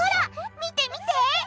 見て見て！